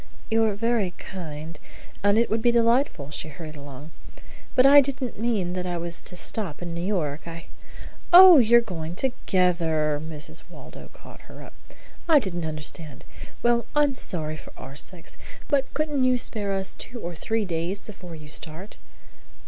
"You're very kind, and it would be delightful," she hurried along, "but I didn't mean that I was to stop in New York. I " "Oh, you are going together!" Mrs. Waldo caught her up. "I didn't understand. Well, I'm sorry for our sakes. But couldn't you spare us two or three days before you start?"